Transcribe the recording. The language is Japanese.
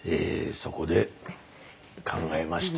そこで考えました。